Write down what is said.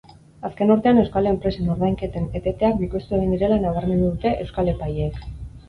Azken urtean euskal enpresen ordainketen eteteak bikoiztu egin direla nabarmendu dute euskal epaileek.